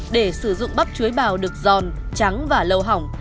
để sử dụng bắp chuối bào được giòn trắng và lâu hỏng